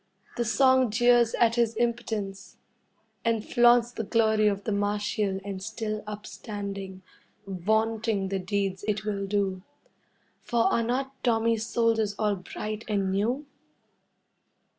The song jeers at his impotence, and flaunts the glory of the martial and still upstanding, vaunting the deeds it will do. For are not Tommy's soldiers all bright and new?